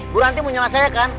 bu ranti menyela saya kan